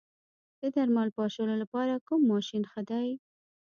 د درمل پاشلو لپاره کوم ماشین ښه دی؟